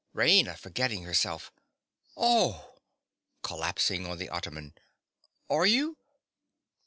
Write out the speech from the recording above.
RAINA. (forgetting herself). Oh! (Collapsing on the ottoman.) Are you?